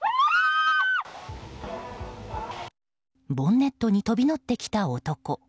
ボンネットに飛び乗ってきた男。